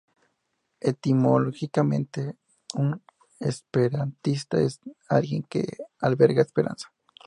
Etimológicamente un esperantista es "alguien que alberga esperanza".